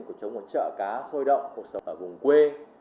cuộc sống ở chợ cá sôi động cuộc sống ở vùng quê